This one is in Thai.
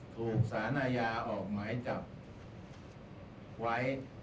ถูกสารอาญาออกหมายจับไว้